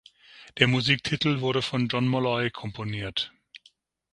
Der Musiktitel wurde von John Molloy komponiert.